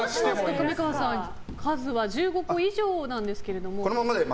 上川さん、数は１５個以上なんですけれども。